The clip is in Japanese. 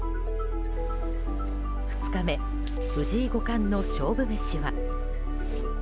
２日目藤井五冠の勝負メシは。